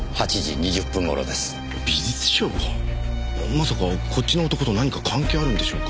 まさかこっちの男と何か関係あるんでしょうか。